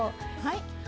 はい。